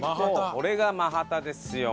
これがマハタですよ幻の。